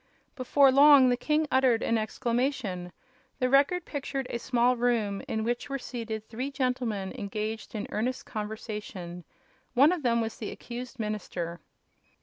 Before long the king uttered an exclamation. The Record pictured a small room in which were seated three gentlemen engaged in earnest conversation. One of them was the accused minister.